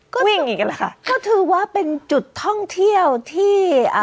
ก็วิ่งหนีกันแหละค่ะก็ถือว่าเป็นจุดท่องเที่ยวที่อ่า